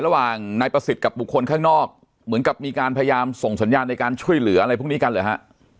ระหว่างนายประสิทธิ์กับบุคคลข้างนอกเหมือนกับมีการพยายามส่งสัญญาณในการช่วยเหลืออะไรพวกนี้กันเหรอฮะ